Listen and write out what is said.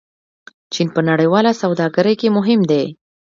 چین په نړیواله سوداګرۍ کې مهم دی.